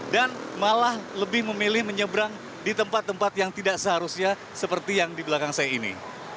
dan malah lebih memilih menyeberang di tempat tempat yang tidak seharusnya seperti yang di belakang saya ini